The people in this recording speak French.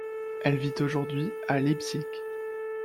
Elle vit aujourd'hui à Leipzig.